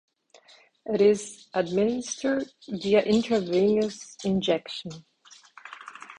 It is administered via intravenous injection.